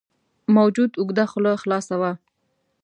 موجود اوږده خوله خلاصه وه.